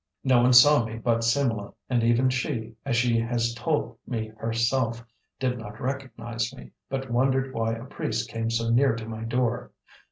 No one saw me but Simlah, and even she, as she has told me herself, did not recognize me, but wondered why a priest came so near to my door."